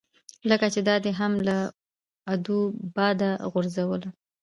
لکه چې دا دې هم له ادو باده غورځوله.